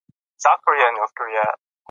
ایا ته په ګروپي بحثونو کې برخه اخلې؟